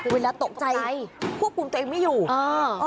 เวลาตกใจควบคุมตัวเองไม่อยู่อ่า